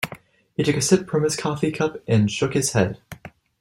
He took a sip from his coffee cup and shook his head.